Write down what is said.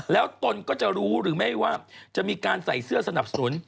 แล้วตนก็จะรู้หรือไม่ว่าจะมีการใส่เสื้อสนับสนุน